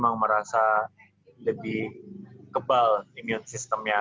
memang merasa lebih kebal imun sistemnya